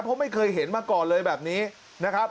เพราะไม่เคยเห็นมาก่อนเลยแบบนี้นะครับ